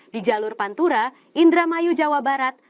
di jalur pantura indramayu jawa barat